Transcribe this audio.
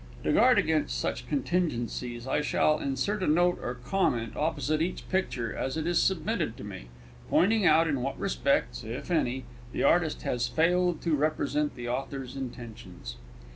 To guard against such contingencies I shall insert a note or comment opposite each picture as it is submitted to me, pointing out in what respects (if any) the artist has failed to represent the author's intentions.